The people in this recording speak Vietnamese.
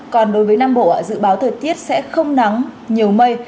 còn đối với nam bộ dự báo thời tiết sẽ không nắng nhiều mây